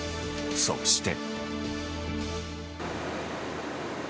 そして。